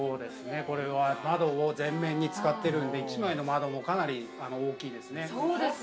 これは窓を全面に使っているので、一枚の窓もかなり大きいですね。